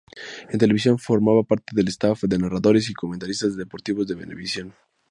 En televisión, formaba parte del staff de narradores y comentaristas deportivos de Venevisión.